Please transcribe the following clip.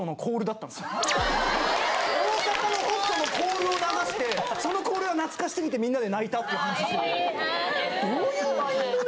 大阪のホストのコールを流してそのコールが懐かし過ぎてみんなで泣いたっていう話しててどういうマインドで。